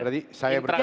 jadi saya berteranya